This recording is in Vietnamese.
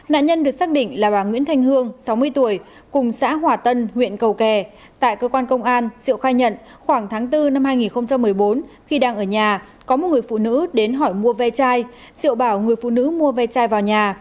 nạn nhân được xác định là bà nguyễn thanh hương sáu mươi tuổi cùng xã hòa tân huyện cầu kè tại cơ quan công an diệu khai nhận khoảng tháng bốn năm hai nghìn một mươi bốn khi đang ở nhà có một người phụ nữ đến hỏi mua ve chai rượu bảo người phụ nữ mua ve chai vào nhà